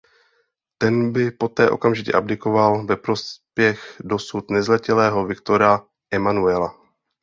Ten by poté okamžitě abdikoval ve prospěch dosud nezletilého Viktora Emanuela.